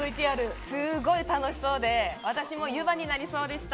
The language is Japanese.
すごい楽しそうで、私も湯波になりそうでした。